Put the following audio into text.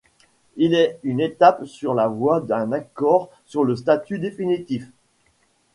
Il est une étape sur la voie d'un accord sur le statut définitif.